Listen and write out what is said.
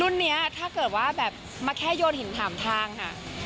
นี้ถ้าเกิดว่าแบบมาแค่โยนหินถามทางค่ะ